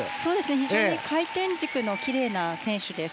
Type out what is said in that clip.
非常に回転軸のきれいな選手です。